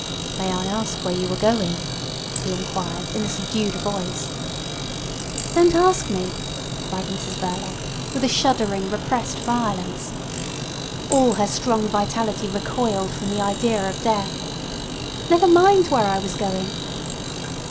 "May I ask you where you were going?" he inquired in a subdued voice. "Don't ask me!" cried Mrs Verloc with a shuddering, repressed violence. All her strong vitality recoiled from the idea of death. "Never mind where I was going.